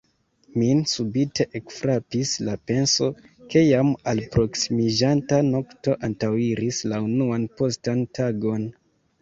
Min subite ekfrapis la penso, ke jam alproksimiĝanta nokto antaŭiris la unuan postan tagon.